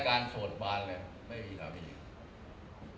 การส่วนบานเลยไม่มีทหารผู้นำ